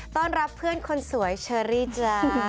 ต้อนรับเพื่อนคนสวยเชอรี่จ้า